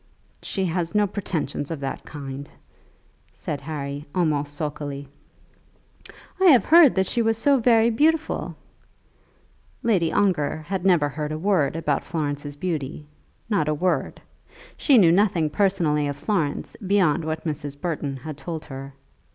"She has no pretensions of that kind," said Harry, almost sulkily. "I have heard that she was so very beautiful!" Lady Ongar had never heard a word about Florence's beauty; not a word. She knew nothing personally of Florence beyond what Mrs. Burton had told her.